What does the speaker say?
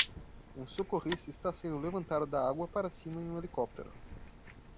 Um socorrista está sendo levantado da água para cima em um helicóptero.